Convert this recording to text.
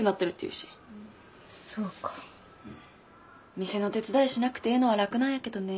店の手伝いしなくてええのは楽なんやけどね。